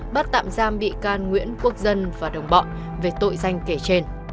bắt tạm giam bị can nguyễn quốc dân và đồng bọn về tội danh kể trên